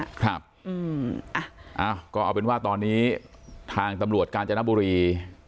ครับก็เอาเป็นว่าตอนนี้ทางตำรวจกาญจนบุรี